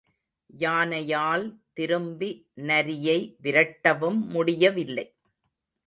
யானையால் திரும்பி நரியை விரட்டவும் முடியவில்லை.